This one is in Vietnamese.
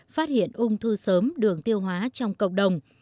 phát hiện ung thư sớm đường tiêu hóa trong cộng đồng